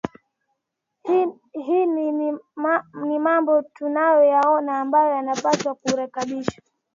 ini ni mambo tunayo yaona ambayo yanapaswa kurekebishwa